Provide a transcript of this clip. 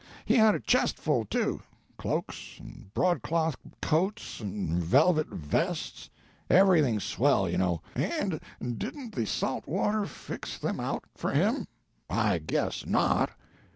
He had a chestful, too: cloaks, and broadcloth coats, and velvet vests; everything swell, you know; and didn't the saltwater fix them out for him? I guess not!